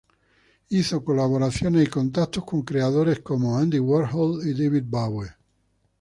Hizo colaboraciones y contactos con creadores como Andy Warhol y David Bowie.